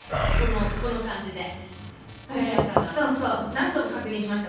何度も確認しました。